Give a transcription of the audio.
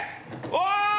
うわ！